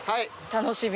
楽しみ。